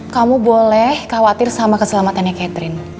kamu boleh khawatir sama keselamatannya catherine